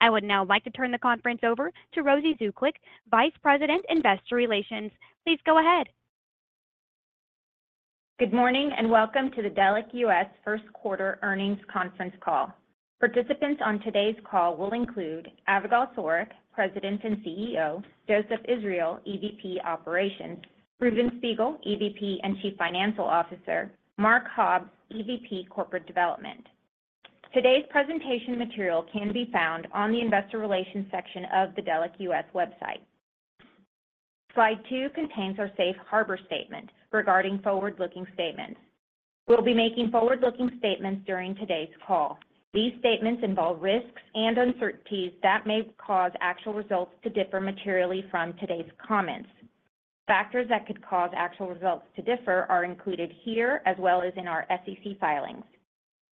I would now like to turn the conference over to Rosy Zuklic, Vice President Investor Relations. Please go ahead. Good morning and welcome to the Delek US first quarter earnings conference call. Participants on today's call will include Avigal Soreq, President and CEO, Joseph Israel, EVP Operations, Reuven Spiegel, EVP and Chief Financial Officer, Mark Hobbs, EVP Corporate Development. Today's presentation material can be found on the Investor Relations section of the Delek US website. Slide 2 contains our Safe Harbor Statement regarding forward-looking statements. We'll be making forward-looking statements during today's call. These statements involve risks and uncertainties that may cause actual results to differ materially from today's comments. Factors that could cause actual results to differ are included here as well as in our SEC filings.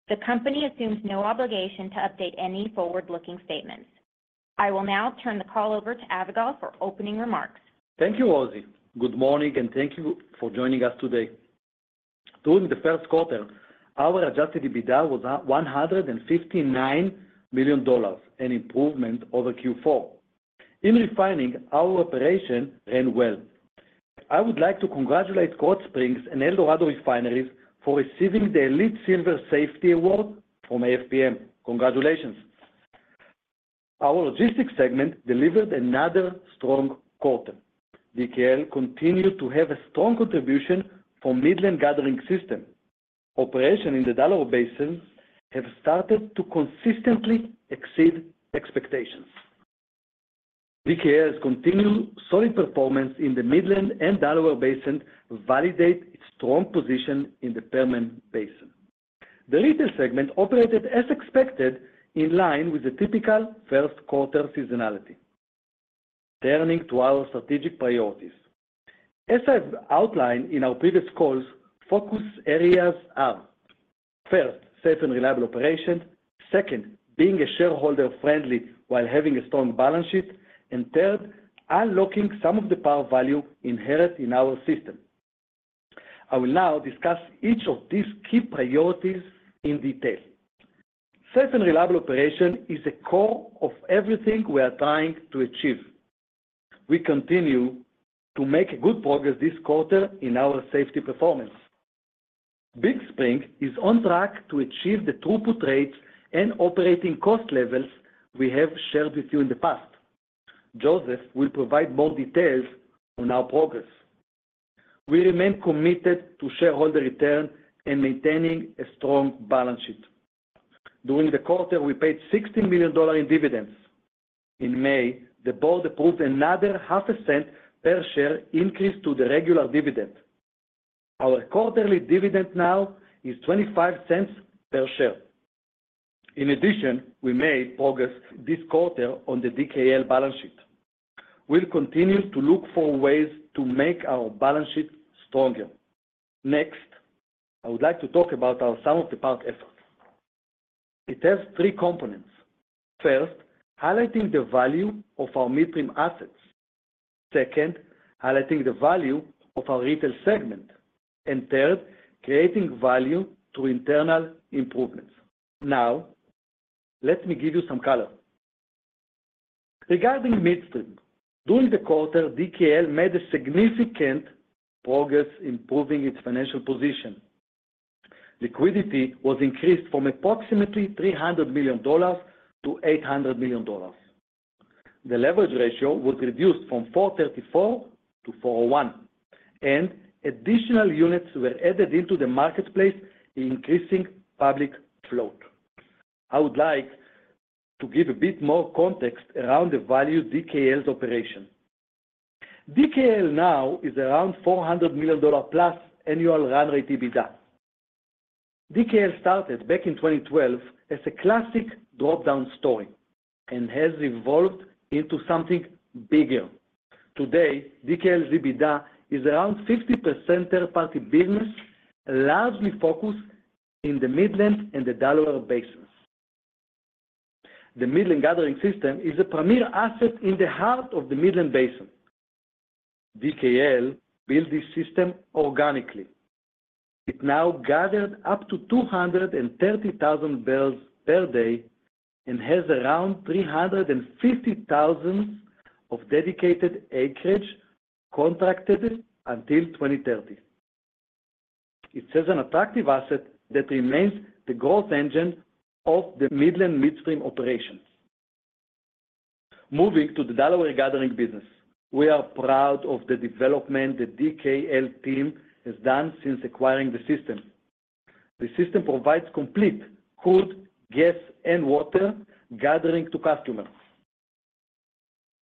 The company assumes no obligation to update any forward-looking statements. I will now turn the call over to Avigal for opening remarks. Thank you, Rosy. Good morning and thank you for joining us today. During the first quarter, our Adjusted EBITDA was $159 million, an improvement over Q4. In refining, our operation ran well. I would like to congratulate Krotz Springs and El Dorado Refineries for receiving the Elite Silver Safety Award from AFPM. Congratulations. Our logistics segment delivered another strong quarter. DKL continued to have a strong contribution for Midland Gathering System. Operations in the Delaware Basin have started to consistently exceed expectations. DKL's continued solid performance in the Midland and Delaware Basin validates its strong position in the Permian Basin. The retail segment operated as expected, in line with the typical first quarter seasonality. Turning to our strategic priorities. As I've outlined in our previous calls, focus areas are: first, safe and reliable operation, second, being shareholder-friendly while having a strong balance sheet, and third, unlocking sum-of-the-parts value inherent in our system. I will now discuss each of these key priorities in detail. Safe and reliable operation is the core of everything we are trying to achieve. We continue to make good progress this quarter in our safety performance. Big Spring is on track to achieve the throughput rates and operating cost levels we have shared with you in the past. Joseph will provide more details on our progress. We remain committed to shareholder return and maintaining a strong balance sheet. During the quarter, we paid $16 million in dividends. In May, the board approved another $0.005 per share increase to the regular dividend. Our quarterly dividend now is $0.25 per share. In addition, we made progress this quarter on the DKL balance sheet. We'll continue to look for ways to make our balance sheet stronger. Next, I would like to talk about some of the sum-of-the-parts efforts. It has three components. First, highlighting the value of our midstream assets. Second, highlighting the value of our retail segment. And third, creating value through internal improvements. Now, let me give you some color. Regarding midstream, during the quarter, DKL made significant progress improving its financial position. Liquidity was increased from approximately $300 million-$800 million. The leverage ratio was reduced from 4.34 to 4.01, and additional units were added into the marketplace, increasing public float. I would like to give a bit more context around the value of DKL's operation. DKL now is around $400 million plus annual run rate EBITDA. DKL started back in 2012 as a classic drop-down story and has evolved into something bigger. Today, DKL's EBITDA is around 50% third-party business, largely focused in the Midland and the Delaware Basin. The Midland Gathering System is a premier asset in the heart of the Midland Basin. DKL built this system organically. It now gathered up to 230,000 barrels per day and has around 350,000 of dedicated acreage contracted until 2030. It's an attractive asset that remains the growth engine of the Midland midstream operations. Moving to the Delaware gathering business, we are proud of the development the DKL team has done since acquiring the system. The system provides complete crude gas and water gathering to customers.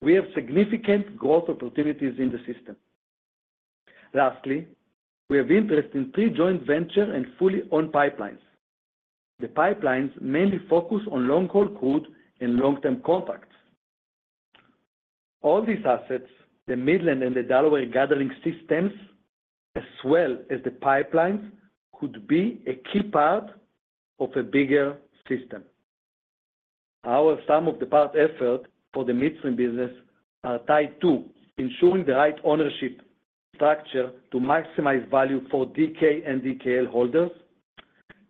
We have significant growth opportunities in the system. Lastly, we have interest in three joint venture and fully owned pipelines. The pipelines mainly focus on long-haul crude and long-term contracts. All these assets, the Midland Gathering System and the Delaware Gathering System, as well as the pipelines, could be a key part of a bigger system. Some of the sum-of-the-parts efforts for the midstream business are tied to ensuring the right ownership structure to maximize value for DK and DKL holders,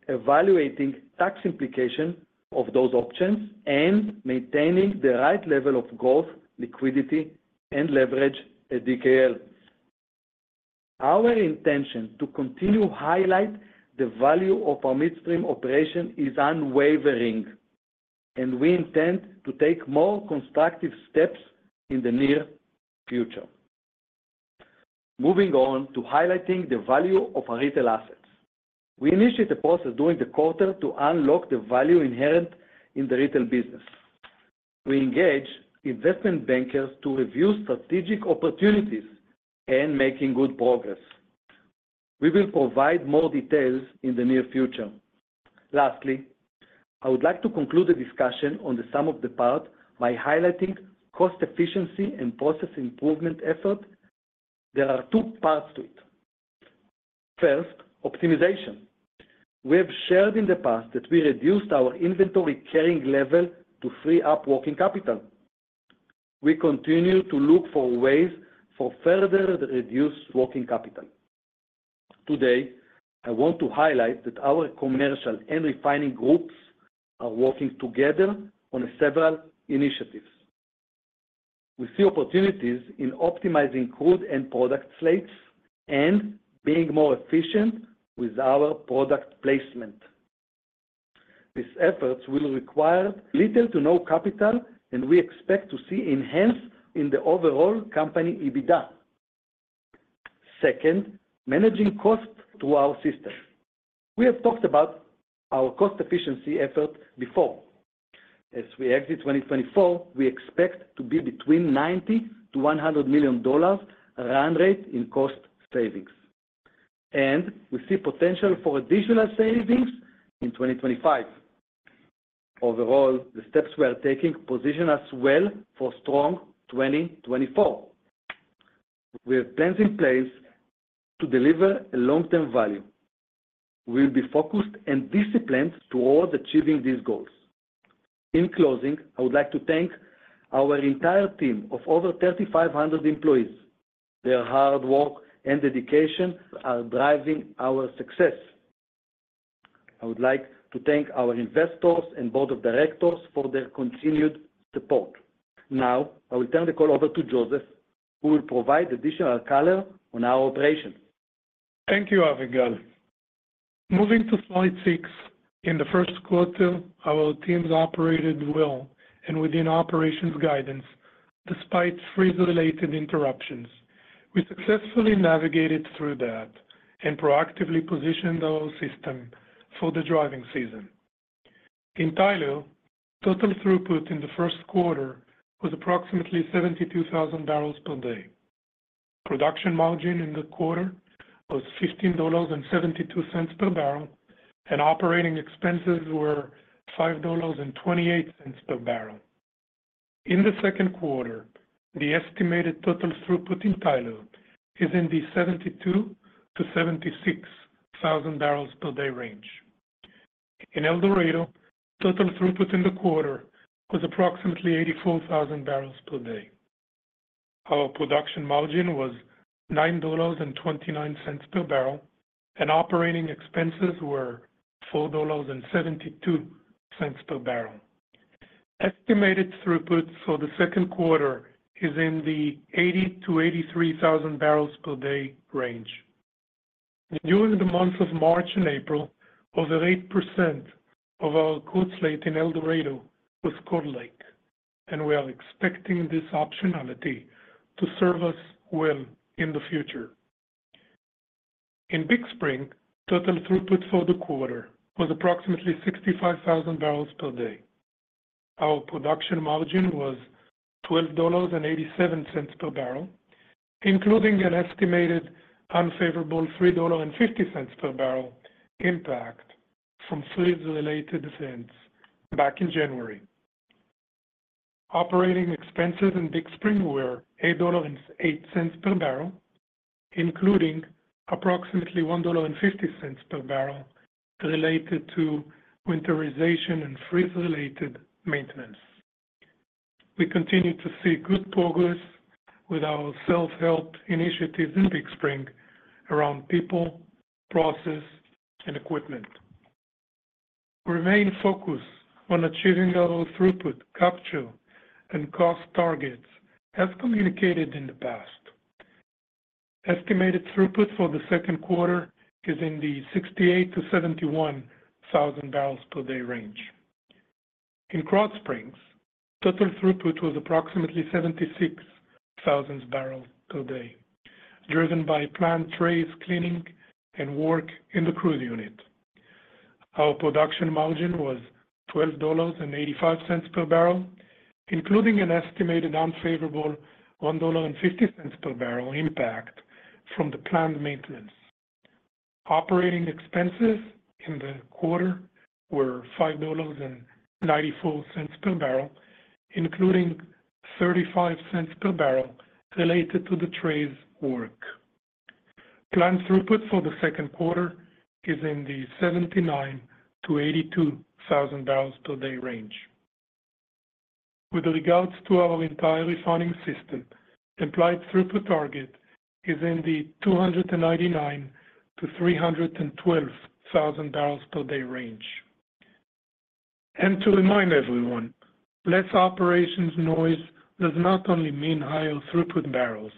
evaluating tax implications of those options, and maintaining the right level of growth, liquidity, and leverage at DKL. Our intention to continue to highlight the value of our midstream operation is unwavering, and we intend to take more constructive steps in the near future. Moving on to highlighting the value of our retail assets. We initiated a process during the quarter to unlock the value inherent in the retail business. We engaged investment bankers to review strategic opportunities and make good progress. We will provide more details in the near future. Lastly, I would like to conclude the discussion on sum-of-the-parts by highlighting cost efficiency and process improvement efforts. There are two parts to it. First, optimization. We have shared in the past that we reduced our inventory carrying level to free up working capital. We continue to look for ways for further reduced working capital. Today, I want to highlight that our commercial and refining groups are working together on several initiatives. We see opportunities in optimizing crude and product slates and being more efficient with our product placement. These efforts will require little to no capital, and we expect to see enhancements in the overall company EBITDA. Second, managing costs through our system. We have talked about our cost efficiency efforts before. As we exit 2024, we expect to be between $90-$100 million run rate in cost savings. We see potential for additional savings in 2025. Overall, the steps we are taking position us well for a strong 2024. We have plans in place to deliver long-term value. We will be focused and disciplined towards achieving these goals. In closing, I would like to thank our entire team of over 3,500 employees. Their hard work and dedication are driving our success. I would like to thank our investors and board of directors for their continued support. Now, I will turn the call over to Joseph, who will provide additional color on our operations. Thank you, Avigal. Moving to slide six. In the first quarter, our teams operated well and within operations guidance despite freeze-related interruptions. We successfully navigated through that and proactively positioned our system for the driving season. In Tyler, total throughput in the first quarter was approximately 72,000 barrels per day. Production margin in the quarter was $15.72 per barrel, and operating expenses were $5.28 per barrel. In the second quarter, the estimated total throughput in Tyler is in the 72,000-76,000 barrels per day range. In El Dorado, total throughput in the quarter was approximately 84,000 barrels per day. Our production margin was $9.29 per barrel, and operating expenses were $4.72 per barrel. Estimated throughput for the second quarter is in the 80,000-83,000 barrels per day range. During the months of March and April, over 8% of our crude slate in El Dorado was Cold Lake, and we are expecting this optionality to serve us well in the future. In Big Spring, total throughput for the quarter was approximately 65,000 barrels per day. Our production margin was $12.87 per barrel, including an estimated unfavorable $3.50 per barrel impact from freeze-related events back in January. Operating expenses in Big Spring were $8.08 per barrel, including approximately $1.50 per barrel related to winterization and freeze-related maintenance. We continue to see good progress with our self-help initiatives in Big Spring around people, process, and equipment. We remain focused on achieving our throughput, capture, and cost targets as communicated in the past. Estimated throughput for the second quarter is in the 68,000-71,000 barrels per day range. In Krotz Springs, total throughput was approximately 76,000 barrels per day, driven by planned trays cleaning and work in the crude unit. Our production margin was $12.85 per barrel, including an estimated unfavorable $1.50 per barrel impact from the planned maintenance. Operating expenses in the quarter were $5.94 per barrel, including $0.35 per barrel related to the trays' work. Planned throughput for the second quarter is in the 79,000-82,000 barrels per day range. With regards to our entire refining system, the implied throughput target is in the 299,000-312,000 barrels per day range. To remind everyone, less operations noise does not only mean higher throughput barrels.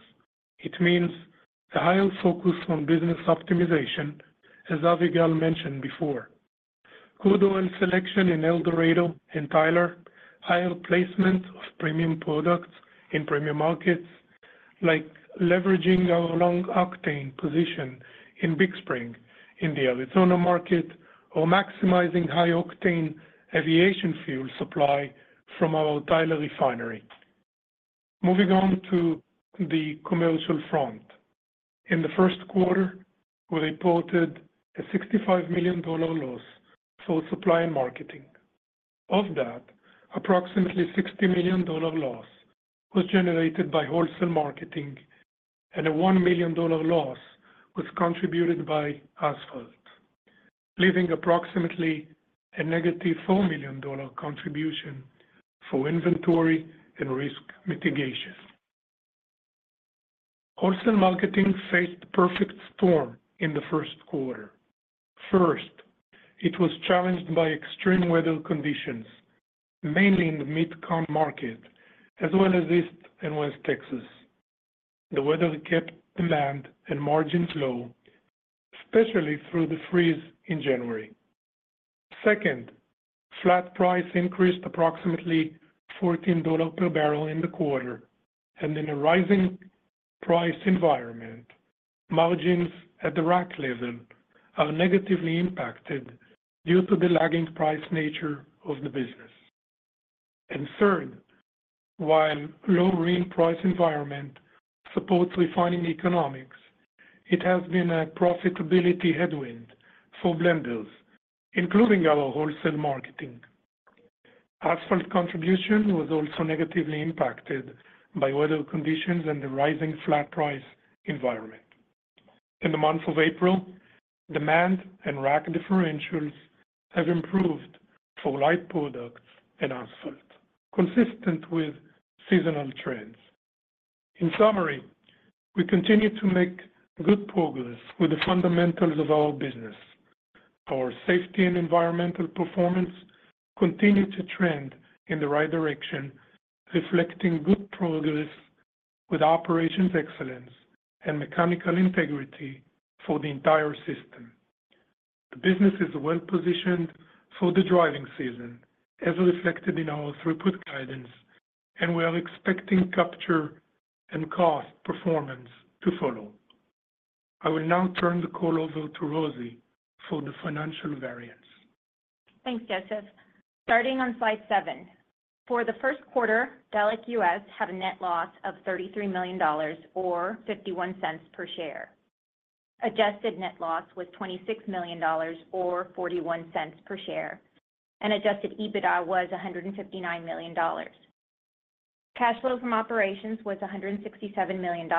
It means a higher focus on business optimization, as Avigal mentioned before. Crude oil selection in El Dorado and Tyler, higher placement of premium products in premium markets, like leveraging our long-octane position in Big Spring in the Arizona market, or maximizing high-octane aviation fuel supply from our Tyler refinery. Moving on to the commercial front. In the first quarter, we reported a $65 million loss for supply and marketing. Of that, approximately $60 million loss was generated by wholesale marketing, and a $1 million loss was contributed by asphalt, leaving approximately a negative $4 million contribution for inventory and risk mitigation. Wholesale marketing faced a perfect storm in the first quarter. First, it was challenged by extreme weather conditions, mainly in the Mid-Con market, as well as East and West Texas. The weather kept demand and margins low, especially through the freeze in January. Second, flat price increased approximately $14 per barrel in the quarter, and in a rising price environment, margins at the rack level are negatively impacted due to the lagging price nature of the business. And third, while a low RINs environment supports refining economics, it has been a profitability headwind for blenders, including our wholesale marketing. Asphalt contribution was also negatively impacted by weather conditions and the rising flat price environment. In the months of April, demand and rack differentials have improved for light products and asphalt, consistent with seasonal trends. In summary, we continue to make good progress with the fundamentals of our business. Our safety and environmental performance continue to trend in the right direction, reflecting good progress with operations excellence and mechanical integrity for the entire system. The business is well-positioned for the driving season, as reflected in our throughput guidance, and we are expecting capture and cost performance to follow. I will now turn the call over to Rosy for the financial variants. Thanks, Joseph. Starting on slide seven. For the first quarter, Delek US had a net loss of $33 million or $0.51 per share. Adjusted net loss was $26 million or $0.41 per share, and Adjusted EBITDA was $159 million. Cash flow from operations was $167 million.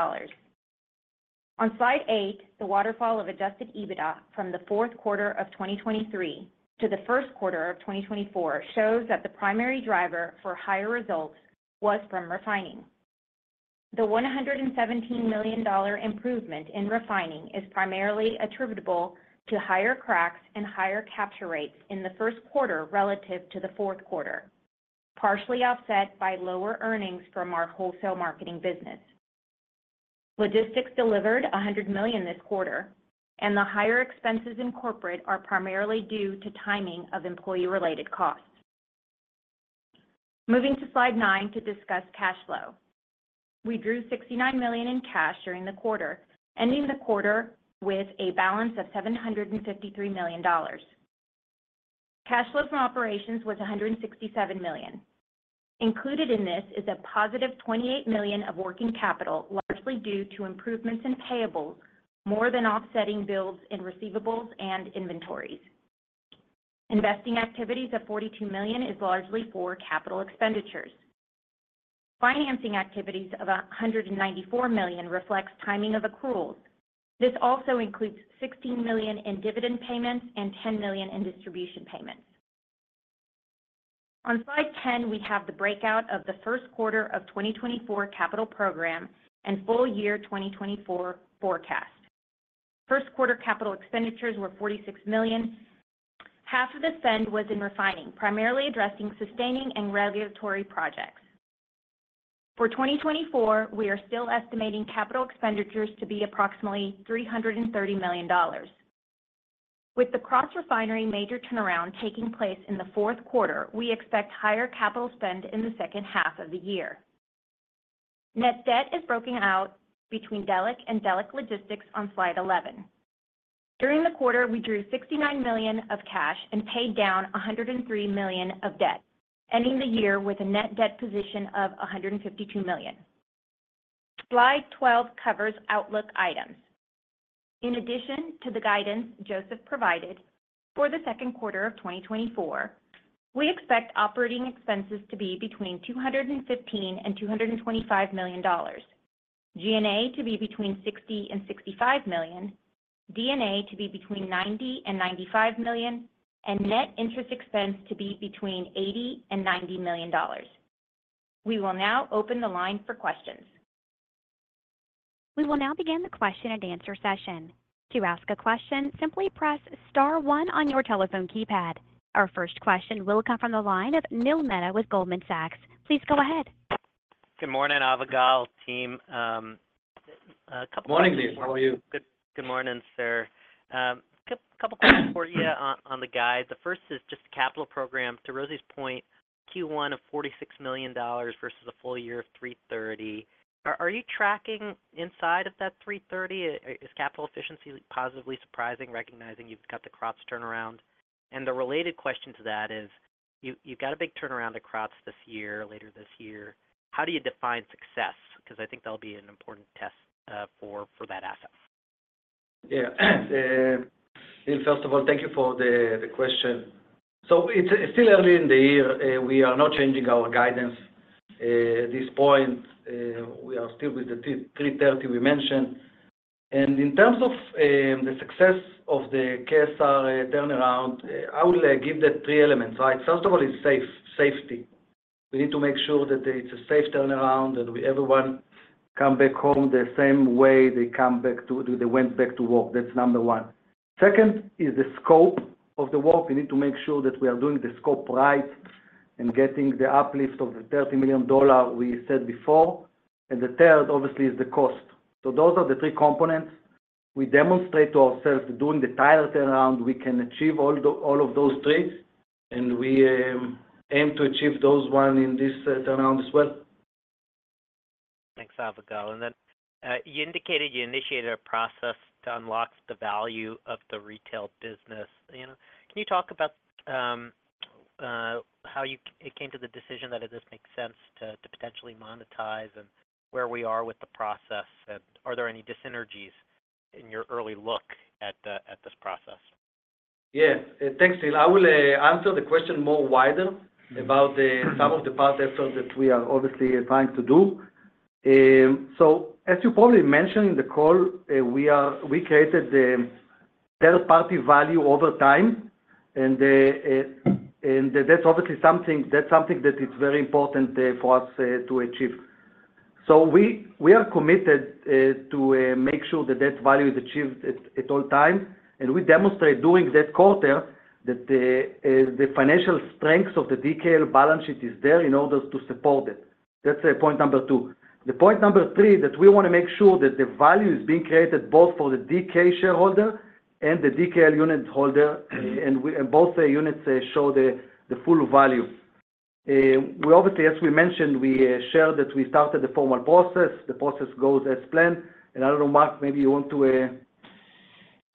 On slide eight, the waterfall of Adjusted EBITDA from the fourth quarter of 2023 to the first quarter of 2024 shows that the primary driver for higher results was from refining. The $117 million improvement in refining is primarily attributable to higher cracks and higher capture rates in the first quarter relative to the fourth quarter, partially offset by lower earnings from our wholesale marketing business. Logistics delivered $100 million this quarter, and the higher expenses in corporate are primarily due to timing of employee-related costs. Moving to slide nine to discuss cash flow. We drew $69 million in cash during the quarter, ending the quarter with a balance of $753 million. Cash flow from operations was $167 million. Included in this is a positive $28 million of working capital, largely due to improvements in payables more than offsetting builds and receivables and inventories. Investing activities of $42 million is largely for capital expenditures. Financing activities of $194 million reflect timing of accruals. This also includes $16 million in dividend payments and $10 million in distribution payments. On slide 10, we have the breakout of the first quarter of 2024 capital program and full year 2024 forecast. First quarter capital expenditures were $46 million. Half of the spend was in refining, primarily addressing sustaining and regulatory projects. For 2024, we are still estimating capital expenditures to be approximately $330 million. With the cross-refinery major turnaround taking place in the fourth quarter, we expect higher capital spend in the second half of the year. Net debt is broken out between Delek and Delek Logistics on slide 11. During the quarter, we drew $69 million of cash and paid down $103 million of debt, ending the year with a net debt position of $152 million. Slide 12 covers outlook items. In addition to the guidance Joseph provided for the second quarter of 2024, we expect operating expenses to be between $215-$225 million, G&A to be between $60-$65 million, D&A to be between $90-$95 million, and net interest expense to be between $80-$90 million. We will now open the line for questions. We will now begin the question and answer session. To ask a question, simply press star one on your telephone keypad. Our first question will come from the line of Neil Mehta with Goldman Sachs. Please go ahead. Good morning, Avigal, team. A couple of questions. Morning, Neil. How are you? Good morning, sir. A couple of questions for you on the guide. The first is just the capital program. To Rosy's point, Q1 of $46 million versus a full year of $330 million. Are you tracking inside of that $330 million? Is capital efficiency positively surprising, recognizing you've got the Krotz Springs turnaround? And the related question to that is, you've got a big turnaround at Krotz Springs later this year. How do you define success? Because I think that'll be an important test for that asset. Yeah. First of all, thank you for the question. So it's still early in the year. We are not changing our guidance at this point. We are still with the $330 million we mentioned. And in terms of the success of the KSR turnaround, I would give that three elements, right? First of all, it's safety. We need to make sure that it's a safe turnaround and everyone comes back home the same way they went back to work. That's number one. Second is the scope of the work. We need to make sure that we are doing the scope right and getting the uplift of the $30 million we said before. And the third, obviously, is the cost. So those are the three components. We demonstrate to ourselves that doing the Tyler turnaround, we can achieve all of those three, and we aim to achieve those one in this turnaround as well. Thanks, Avigal. And then you indicated you initiated a process to unlock the value of the retail business. Can you talk about how it came to the decision that it just makes sense to potentially monetize and where we are with the process? And are there any dis-synergies in your early look at this process? Yes. Thanks, Neil. I will answer the question more wider about some of the part effort that we are obviously trying to do. So as you probably mentioned in the call, we created third-party value over time, and that's obviously something that's very important for us to achieve. So we are committed to make sure that that value is achieved at all times, and we demonstrate during that quarter that the financial strengths of the DKL balance sheet are there in order to support it. That's point number two. The point number three, that we want to make sure that the value is being created both for the DK shareholder and the DKL unit holder, and both units show the full value. Obviously, as we mentioned, we shared that we started the formal process. The process goes as planned. And I don't know, Mark, maybe you want to add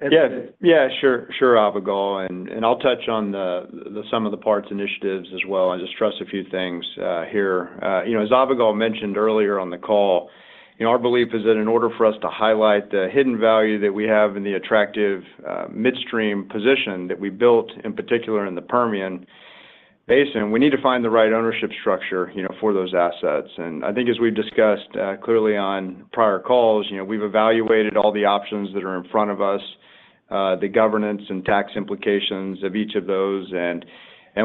something? Yeah. Yeah, sure. Sure, Avigal. And I'll touch on some of the sum-of-the-parts initiatives as well. I just restate a few things here. As Avigal mentioned earlier on the call, our belief is that in order for us to highlight the hidden value that we have in the attractive midstream position that we built, in particular, in the Permian Basin, we need to find the right ownership structure for those assets. And I think, as we've discussed clearly on prior calls, we've evaluated all the options that are in front of us, the governance and tax implications of each of those. And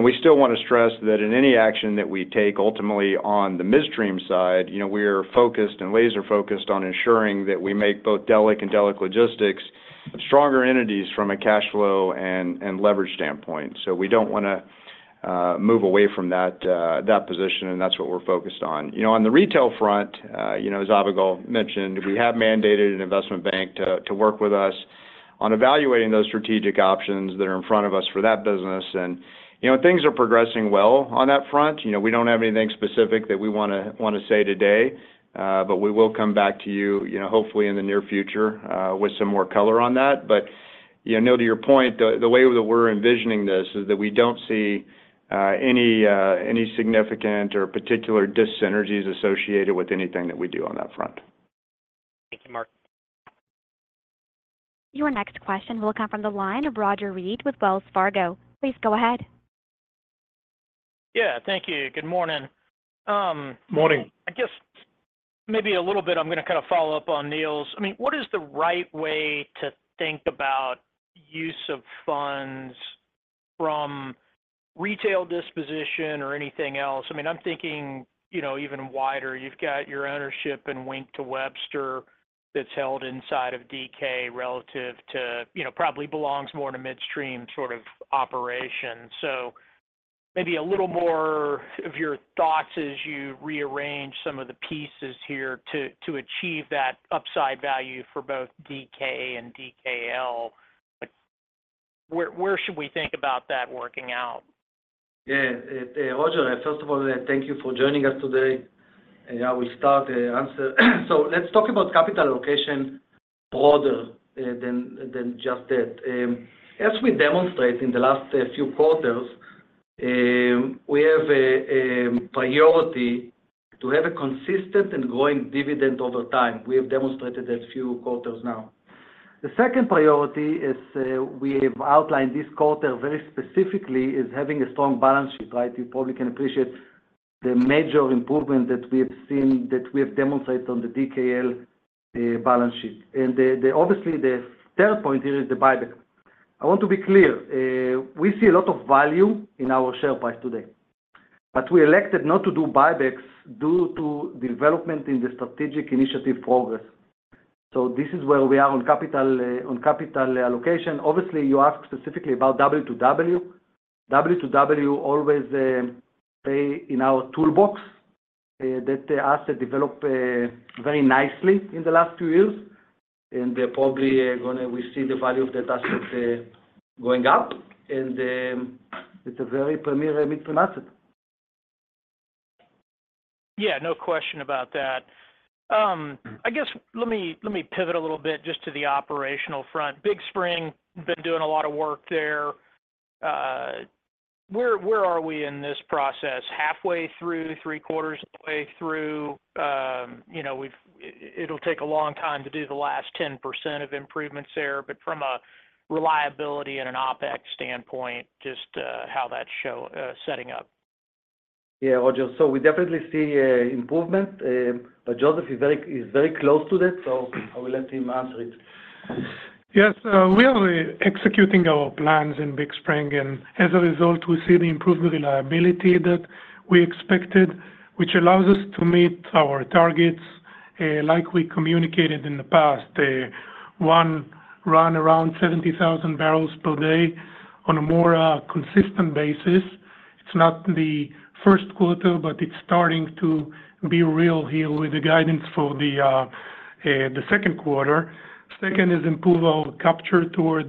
we still want to stress that in any action that we take, ultimately, on the midstream side, we are focused and laser-focused on ensuring that we make both Delek and Delek Logistics stronger entities from a cash flow and leverage standpoint. We don't want to move away from that position, and that's what we're focused on. On the retail front, as Avigal mentioned, we have mandated an investment bank to work with us on evaluating those strategic options that are in front of us for that business. Things are progressing well on that front. We don't have anything specific that we want to say today, but we will come back to you, hopefully, in the near future with some more color on that. Neil, to your point, the way that we're envisioning this is that we don't see any significant or particular dissynergies associated with anything that we do on that front. Thank you, Mark. Your next question will come from the line of Roger Read with Wells Fargo. Please go ahead. Yeah. Thank you. Good morning. Morning. I guess maybe a little bit, I'm going to kind of follow up on Neil's. I mean, what is the right way to think about use of funds from retail disposition or anything else? I mean, I'm thinking even wider. You've got your ownership in Wink to Webster that's held inside of DK relative to probably belongs more in a midstream sort of operation. So maybe a little more of your thoughts as you rearrange some of the pieces here to achieve that upside value for both DK and DKL. Where should we think about that working out? Yeah. Roger, first of all, thank you for joining us today. And I will start the answer. So let's talk about capital allocation broader than just that. As we demonstrate in the last few quarters, we have a priority to have a consistent and growing dividend over time. We have demonstrated that few quarters now. The second priority is we have outlined this quarter very specifically is having a strong balance sheet, right? You probably can appreciate the major improvement that we have seen that we have demonstrated on the DKL balance sheet. And obviously, the third point here is the buyback. I want to be clear. We see a lot of value in our share price today, but we elected not to do buybacks due to development in the strategic initiative progress. So this is where we are on capital allocation. Obviously, you asked specifically about W2W. W2W always stays in our toolbox, that asset developed very nicely in the last few years. And probably we see the value of that asset going up. And it's a very premier midstream asset. Yeah. No question about that. I guess let me pivot a little bit just to the operational front. Big Spring has been doing a lot of work there. Where are we in this process? Halfway through, three-quarters of the way through? It'll take a long time to do the last 10% of improvements there, but from a reliability and an OpEx standpoint, just how that's setting up. Yeah, Roger. So we definitely see improvement, but Joseph is very close to that, so I will let him answer it. Yes. We are executing our plans in Big Spring, and as a result, we see the improved reliability that we expected, which allows us to meet our targets. Like we communicated in the past, one run around 70,000 barrels per day on a more consistent basis. It's not the first quarter, but it's starting to be real here with the guidance for the second quarter. Second is improve our capture toward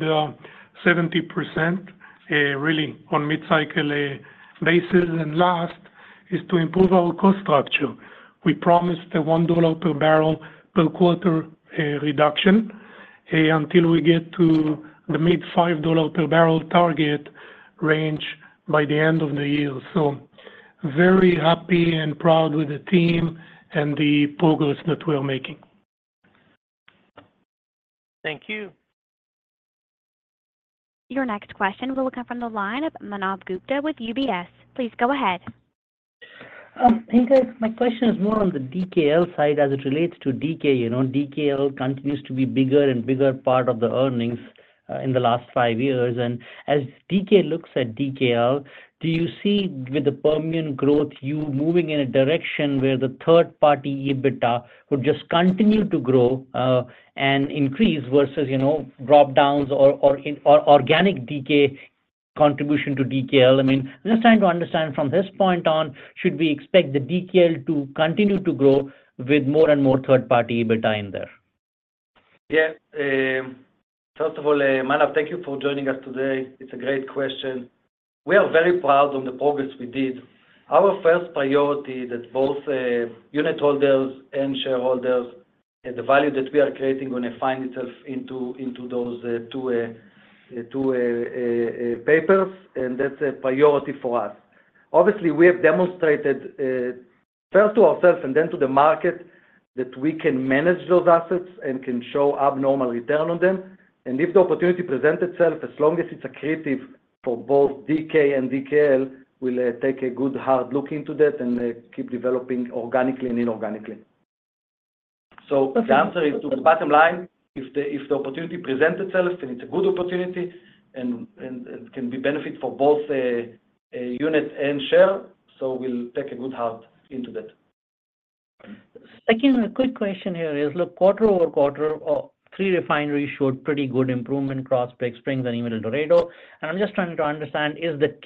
70%, really on mid-cycle basis. And last is to improve our cost structure. We promised a $1 per barrel per quarter reduction until we get to the mid-$5 per barrel target range by the end of the year. So very happy and proud with the team and the progress that we're making. Thank you. Your next question will come from the line of Manav Gupta with UBS. Please go ahead. Hank, my question is more on the DKL side as it relates to DK. DKL continues to be a bigger and bigger part of the earnings in the last five years. As DK looks at DKL, do you see with the Permian growth you moving in a direction where the third-party EBITDA would just continue to grow and increase versus drop-downs or organic contribution to DKL? I mean, I'm just trying to understand from this point on, should we expect the DKL to continue to grow with more and more third-party EBITDA in there? Yeah. First of all, Manav, thank you for joining us today. It's a great question. We are very proud of the progress we did. Our first priority that both unit holders and shareholders, the value that we are creating manifests itself into those two papers, and that's a priority for us. Obviously, we have demonstrated first to ourselves and then to the market that we can manage those assets and can show abnormal return on them. And if the opportunity presents itself, as long as it's accretive for both DK and DKL, we'll take a good hard look into that and keep developing organically and inorganically. So the answer is to the bottom line, if the opportunity presents itself and it's a good opportunity and can benefit for both unit and share, so we'll take a good hard look into that. Second quick question here is, look, quarter-over-quarter, three refineries showed pretty good improvement: Krotz Springs, Big Spring, and El Dorado. And I'm just trying to understand, is it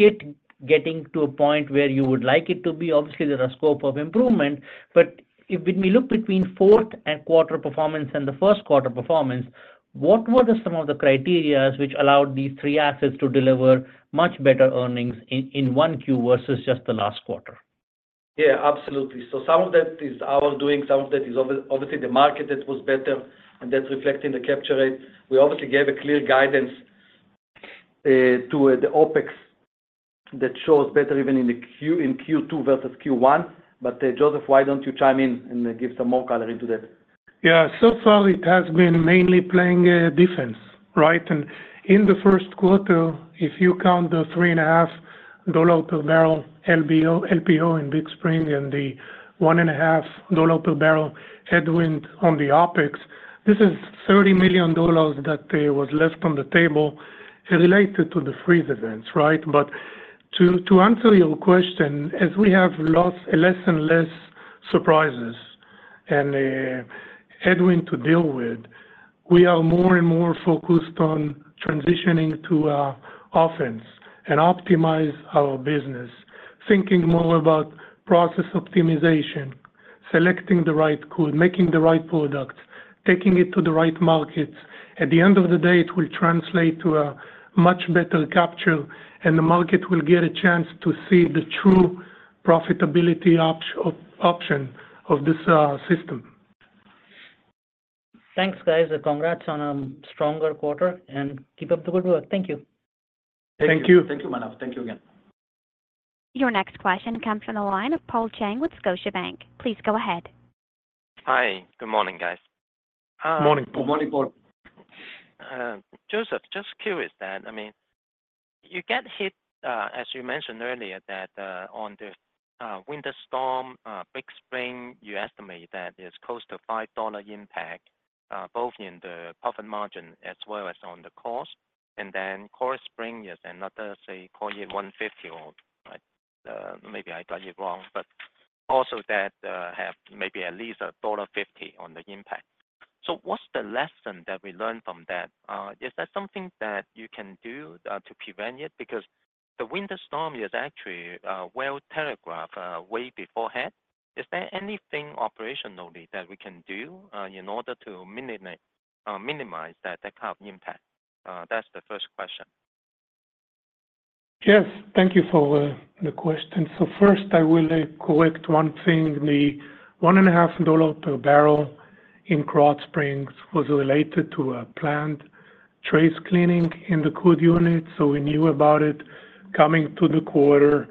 getting to a point where you would like it to be? Obviously, there are scope of improvement, but when we look between fourth-quarter performance and the first-quarter performance, what were some of the criteria which allowed these three assets to deliver much better earnings in 1Q versus just the last quarter? Yeah, absolutely. So some of that is our doing. Some of that is obviously the market that was better, and that's reflected in the capture rate. We obviously gave a clear guidance to the OpEx that shows better even in Q2 versus Q1. But Joseph, why don't you chime in and give some more color into that? Yeah. So far, it has been mainly playing defense, right? And in the first quarter, if you count the $3.5 per barrel LPO in Big Spring and the $1.5 per barrel headwind on the OpEx, this is $30 million that was left on the table related to the freeze events, right? But to answer your question, as we have lost less and less surprises and headwind to deal with, we are more and more focused on transitioning to offense and optimizing our business, thinking more about process optimization, selecting the right crude, making the right products, taking it to the right markets. At the end of the day, it will translate to a much better capture, and the market will get a chance to see the true profitability option of this system. Thanks, guys. Congrats on a stronger quarter, and keep up the good work. Thank you. Thank you. Thank you, Manav. Thank you again. Your next question comes from the line of Paul Cheng with Scotiabank. Please go ahead. Hi. Good morning, guys. Morning, Paul. Good morning, Paul. Joseph, just curious that, I mean, you get hit, as you mentioned earlier, that on the winter storm, Big Spring, you estimate that it's close to $5 impact both in the profit margin as well as on the cost. And then Krotz Springs, yes, another, say, $1.50, or maybe I got it wrong, but also that have maybe at least $1.50 on the impact. So what's the lesson that we learned from that? Is that something that you can do to prevent it? Because the winter storm is actually well telegraphed way beforehand. Is there anything operationally that we can do in order to minimize that impact? That's the first question. Yes. Thank you for the question. So first, I will correct one thing. The $1.5 per barrel in Krotz Springs was related to a planned tray cleaning in the coker unit, so we knew about it coming into the quarter.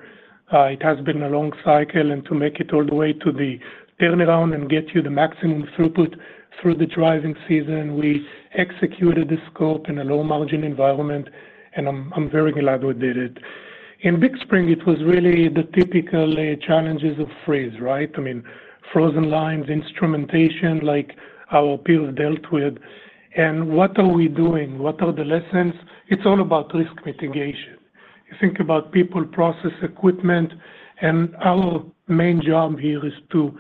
It has been a long cycle, and to make it all the way to the turnaround and get you the maximum throughput through the driving season, we executed the scope in a low-margin environment, and I'm very glad we did it. In Big Spring, it was really the typical challenges of freeze, right? I mean, frozen lines, instrumentation like our peers dealt with. And what are we doing? What are the lessons? It's all about risk mitigation. You think about people, process, equipment, and our main job here is to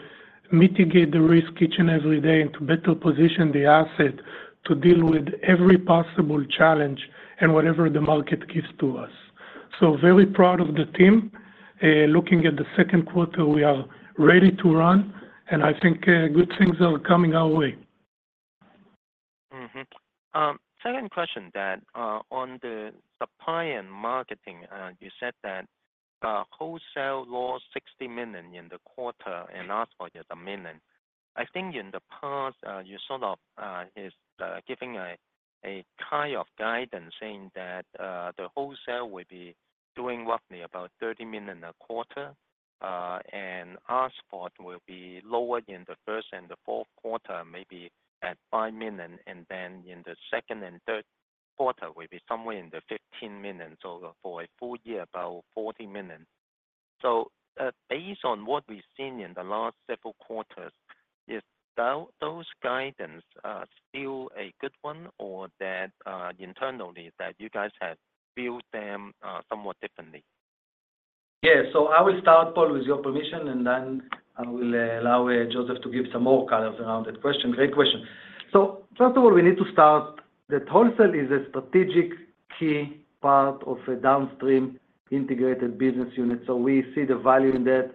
mitigate the risk each and every day and to better position the asset to deal with every possible challenge and whatever the market gives to us. So very proud of the team. Looking at the second quarter, we are ready to run, and I think good things are coming our way. Second question that on the supply and marketing, you said that wholesale lost $60 million in the quarter and asked for just $1 million. I think in the past, you sort of are giving a kind of guidance saying that the wholesale will be doing roughly about $30 million a quarter, and asked for it will be lower in the first and the fourth quarter, maybe at $5 million, and then in the second and third quarter, maybe somewhere in the $15 million, so for a full year, about $40 million. So based on what we've seen in the last several quarters, is those guidance still a good one or internally that you guys have viewed them somewhat differently? Yeah. So I will start, Paul, with your permission, and then I will allow Joseph to give some more colors around that question. Great question. So first of all, we need to start that wholesale is a strategic key part of a downstream integrated business unit. So we see the value in that.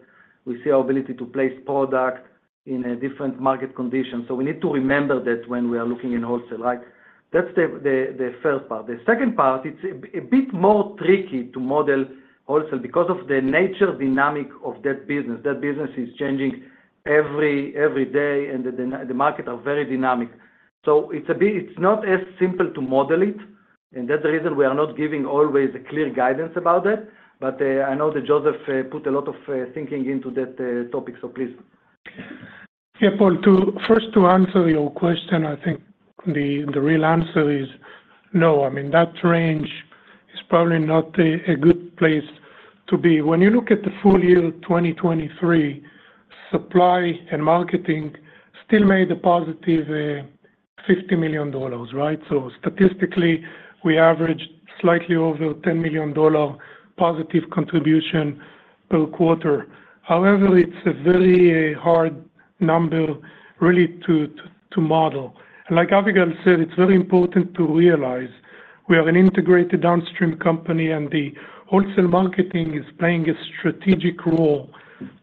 We see our ability to place product in different market conditions. So we need to remember that when we are looking in wholesale, right? That's the first part. The second part, it's a bit more tricky to model wholesale because of the nature dynamic of that business. That business is changing every day, and the markets are very dynamic. So it's not as simple to model it. And that's the reason we are not giving always a clear guidance about that. But I know that Joseph put a lot of thinking into that topic, so please. Yeah, Paul, first to answer your question, I think the real answer is no. I mean, that range is probably not a good place to be. When you look at the full year 2023, supply and marketing still made a positive $50 million, right? So statistically, we averaged slightly over $10 million positive contribution per quarter. However, it's a very hard number really to model. And like Avigal said, it's very important to realize we are an integrated downstream company, and the wholesale marketing is playing a strategic role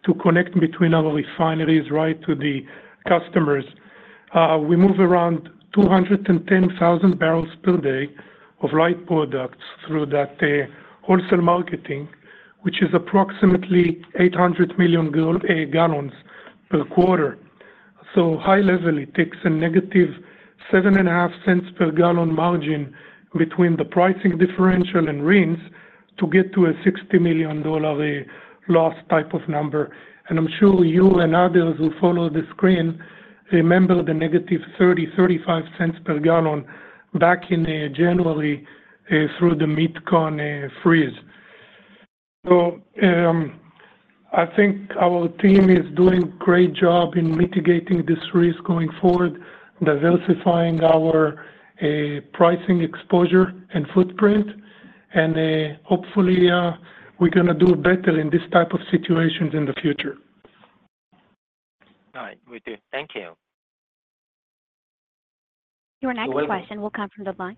to connect between our refineries, right, to the customers. We move around 210,000 barrels per day of light products through that wholesale marketing, which is approximately 800 million gallons per quarter. So high-level, it takes a -$0.075 per gallon margin between the pricing differential and RINs to get to a $60 million loss type of number. I'm sure you and others who follow the screen remember the -$0.30-$0.35 per gallon back in January through the Mid-Con freeze. I think our team is doing a great job in mitigating this risk going forward, diversifying our pricing exposure and footprint. Hopefully, we're going to do better in this type of situations in the future. All right. We do. Thank you. Your next question will come from the line.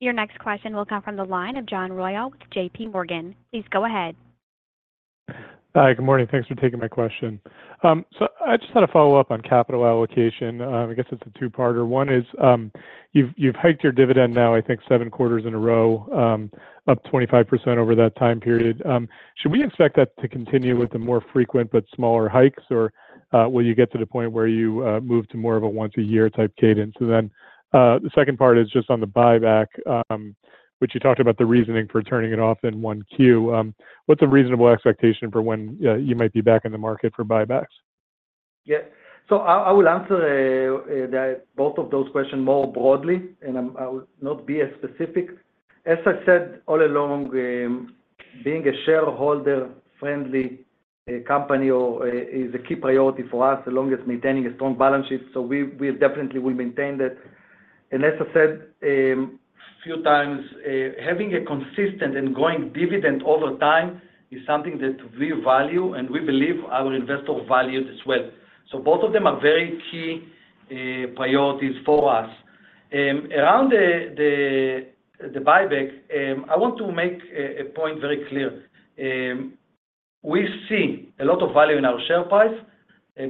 Your next question will come from the line of John Royall with JPMorgan. Please go ahead. Hi. Good morning. Thanks for taking my question. So I just had a follow-up on capital allocation. I guess it's a two-parter. One is you've hiked your dividend now, I think, seven quarters in a row, up 25% over that time period. Should we expect that to continue with the more frequent but smaller hikes, or will you get to the point where you move to more of a once-a-year type cadence? And then the second part is just on the buyback, which you talked about the reasoning for turning it off in 1Q. What's a reasonable expectation for when you might be back in the market for buybacks? Yeah. So I will answer both of those questions more broadly, and I will not be as specific. As I said all along, being a shareholder-friendly company is a key priority for us as long as maintaining a strong balance sheet. So we definitely will maintain that. And as I said a few times, having a consistent and growing dividend over time is something that we value, and we believe our investor values as well. So both of them are very key priorities for us. Around the buyback, I want to make a point very clear. We see a lot of value in our share price,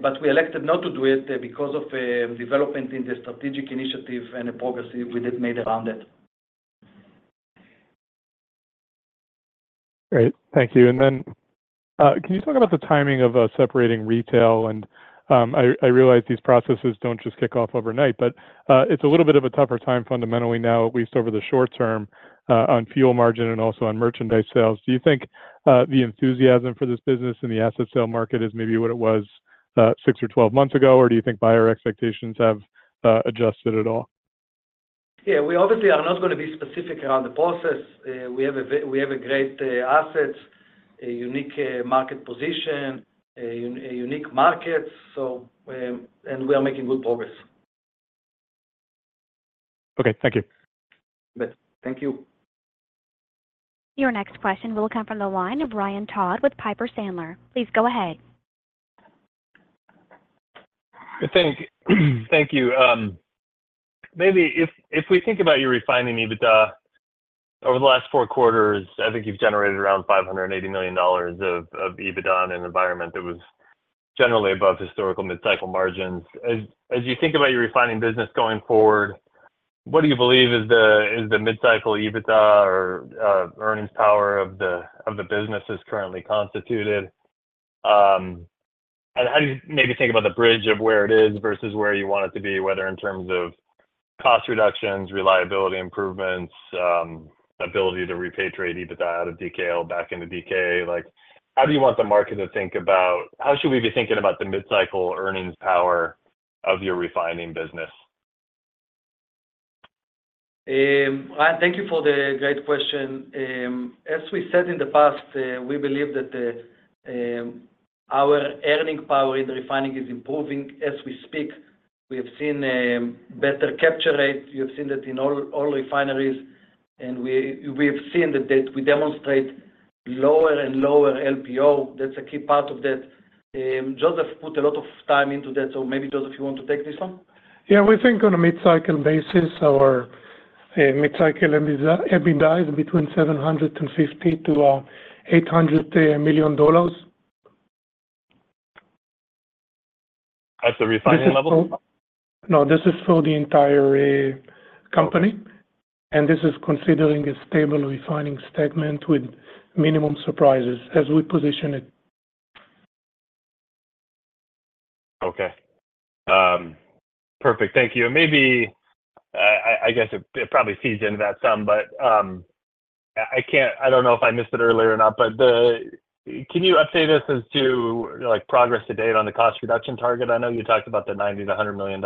but we elected not to do it because of development in the strategic initiative and the progress we did made around it. Great. Thank you. And then can you talk about the timing of separating retail? And I realize these processes don't just kick off overnight, but it's a little bit of a tougher time fundamentally now, at least over the short term, on fuel margin and also on merchandise sales. Do you think the enthusiasm for this business in the asset sale market is maybe what it was six or 12 months ago, or do you think buyer expectations have adjusted at all? Yeah. We obviously are not going to be specific around the process. We have great assets, a unique market position, unique markets, and we are making good progress. Okay. Thank you. Thank you. Your next question will come from the line of Ryan Todd with Piper Sandler. Please go ahead. Thank you. Maybe if we think about your refining EBITDA over the last four quarters, I think you've generated around $580 million of EBITDA on an environment that was generally above historical mid-cycle margins. As you think about your refining business going forward, what do you believe is the mid-cycle EBITDA or earnings power of the business as currently constituted? And how do you maybe think about the bridge of where it is versus where you want it to be, whether in terms of cost reductions, reliability improvements, ability to repatriate EBITDA out of DKL back into DK? How do you want the market to think about how should we be thinking about the mid-cycle earnings power of your refining business? Thank you for the great question. As we said in the past, we believe that our earning power in the refining is improving. As we speak, we have seen better capture rate. You have seen that in all refineries, and we have seen that we demonstrate lower and lower LPO. That's a key part of that. Joseph put a lot of time into that. So maybe, Joseph, you want to take this one? Yeah. We think on a mid-cycle basis, our mid-cycle EBITDA is between $750 million-$800 million. At the refining level? No, this is for the entire company, and this is considering a stable refining segment with minimum surprises as we position it. Okay. Perfect. Thank you. And maybe, I guess, it probably feeds into that some, but I don't know if I missed it earlier or not, but can you update us as to progress to date on the cost reduction target? I know you talked about the $90 million-$100 million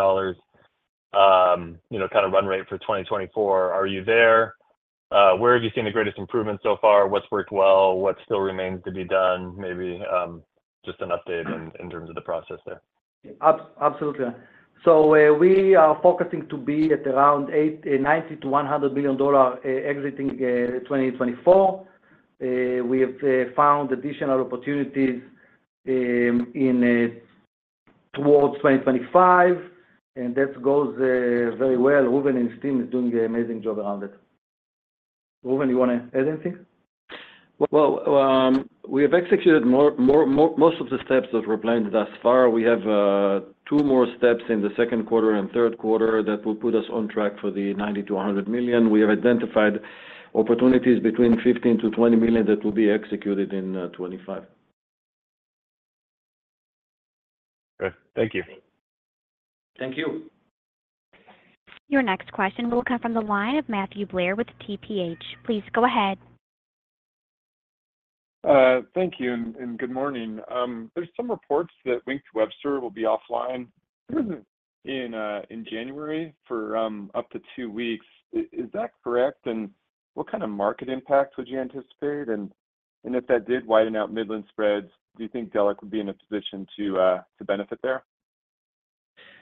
kind of run rate for 2024. Are you there? Where have you seen the greatest improvement so far? What's worked well? What still remains to be done? Maybe just an update in terms of the process there. Absolutely. So we are focusing to be at around $90 million-$100 million exiting 2024. We have found additional opportunities towards 2025, and that goes very well. Reuven and his team is doing an amazing job around it. Reuven, you want to add anything? Well, we have executed most of the steps that were planned thus far. We have two more steps in the second quarter and third quarter that will put us on track for the $90 million-$100 million. We have identified opportunities between $15 million-$20 million that will be executed in 2025. Great. Thank you. Thank you. Your next question will come from the line of Matthew Blair with TPH. Please go ahead. Thank you and good morning. There's some reports that Wink to Webster will be offline in January for up to two weeks. Is that correct? And what kind of market impact would you anticipate? And if that did widen out Midland spreads, do you think Delek would be in a position to benefit there?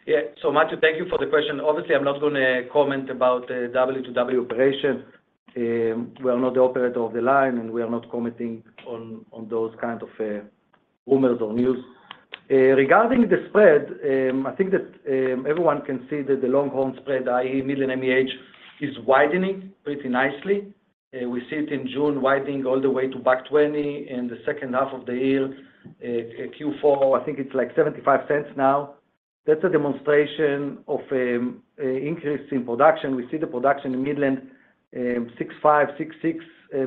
Yeah. So, Matthew, thank you for the question. Obviously, I'm not going to comment about the W2W operation. We are not the operator of the line, and we are not commenting on those kinds of rumors or news. Regarding the spread, I think that everyone can see that the long-haul spread, i.e., Midland MEH, is widening pretty nicely. We see it in June widening all the way to $2.00 in the second half of the year. Q4, I think it's like $0.75 now. That's a demonstration of an increase in production. We see the production in Midland 65-66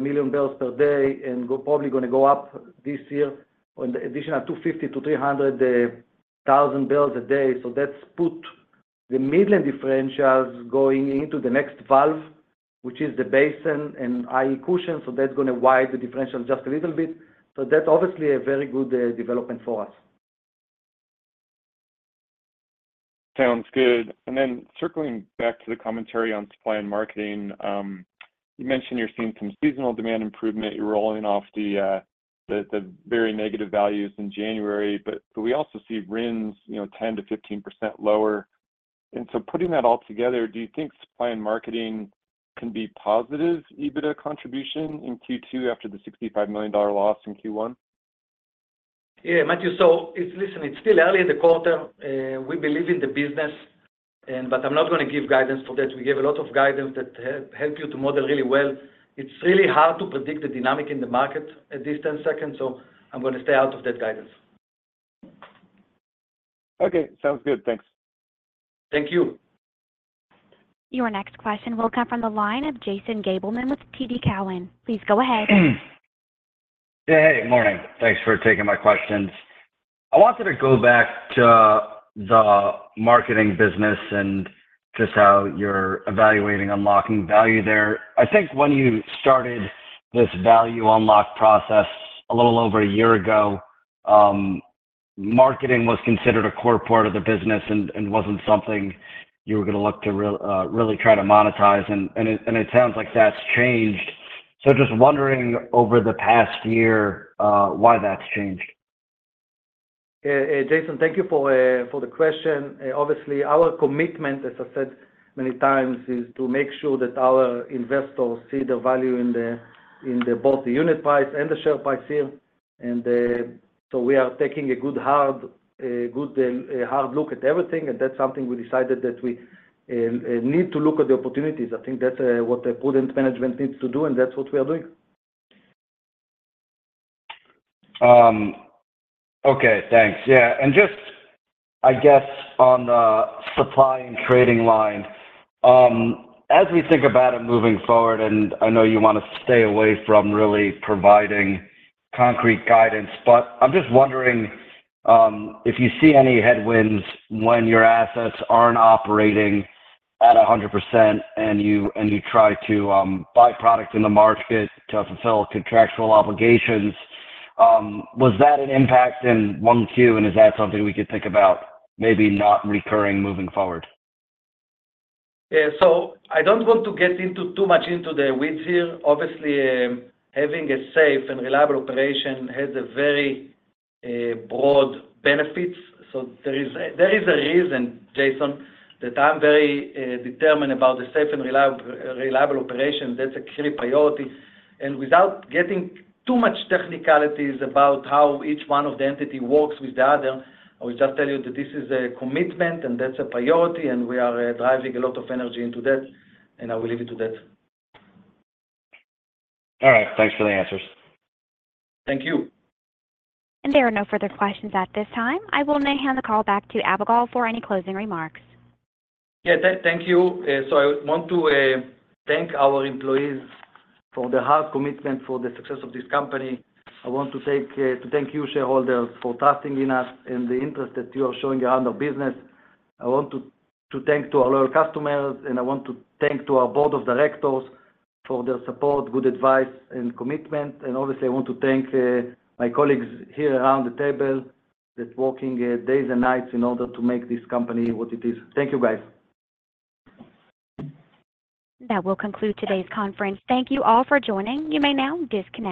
million barrels per day and probably going to go up this year with an additional 250,000-300,000 barrels a day. So that's put the Midland differentials going into the next value, which is the basin and i.e., Cushing. That's going to widen the differential just a little bit. That's obviously a very good development for us. Sounds good. And then circling back to the commentary on supply and marketing, you mentioned you're seeing some seasonal demand improvement. You're rolling off the very negative values in January, but we also see RINs 10%-15% lower. And so putting that all together, do you think supply and marketing can be positive EBITDA contribution in Q2 after the $65 million loss in Q1? Yeah, Matthew. So listen, it's still early in the quarter. We believe in the business, but I'm not going to give guidance for that. We gave a lot of guidance that helped you to model really well. It's really hard to predict the dynamic in the market at these 10 seconds, so I'm going to stay out of that guidance. Okay. Sounds good. Thanks. Thank you. Your next question will come from the line of Jason Gabelman with TD Cowen. Please go ahead. Hey. Good morning. Thanks for taking my questions. I wanted to go back to the marketing business and just how you're evaluating unlocking value there. I think when you started this value unlock process a little over a year ago, marketing was considered a core part of the business and wasn't something you were going to look to really try to monetize. And it sounds like that's changed. So just wondering over the past year why that's changed? Yeah. Jason, thank you for the question. Obviously, our commitment, as I said many times, is to make sure that our investors see the value in both the unit price and the share price here. And so we are taking a good hard look at everything, and that's something we decided that we need to look at the opportunities. I think that's what prudent management needs to do, and that's what we are doing. Okay. Thanks. Yeah. And just, I guess, on the supply and trading line, as we think about it moving forward, and I know you want to stay away from really providing concrete guidance, but I'm just wondering if you see any headwinds when your assets aren't operating at 100% and you try to buy product in the market to fulfill contractual obligations. Was that an impact in 1Q, and is that something we could think about maybe not recurring moving forward? Yeah. So I don't want to get too much into the weeds here. Obviously, having a safe and reliable operation has very broad benefits. So there is a reason, Jason, that I'm very determined about the safe and reliable operation. That's a key priority. And without getting too much technicalities about how each one of the entities works with the other, I will just tell you that this is a commitment, and that's a priority, and we are driving a lot of energy into that, and I will leave it to that. All right. Thanks for the answers. Thank you. There are no further questions at this time. I will now hand the call back to Avigal for any closing remarks. Yeah. Thank you. I want to thank our employees for the hard commitment for the success of this company. I want to thank you, shareholders, for trusting in us and the interest that you are showing around our business. I want to thank our loyal customers, and I want to thank our board of directors for their support, good advice, and commitment. Obviously, I want to thank my colleagues here around the table that are working days and nights in order to make this company what it is. Thank you, guys. That will conclude today's conference. Thank you all for joining. You may now disconnect.